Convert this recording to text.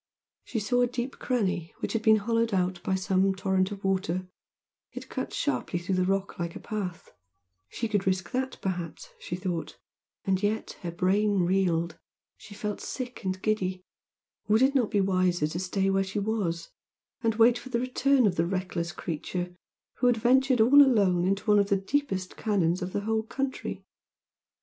She saw a deep cranny which had been hollowed out by some torrent of water it cut sharply through the rock like a path, she could risk that perhaps, she thought, and yet her brain reeled she felt sick and giddy would it not be wiser to stay where she was and wait for the return of the reckless creature who had ventured all alone into one of the deepest canons of the whole country?